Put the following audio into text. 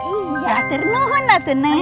iya ternyohon lah neng